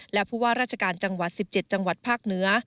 และผู้ว่าราชการจังหวัด๑๗จังหวัดภาคเหนือ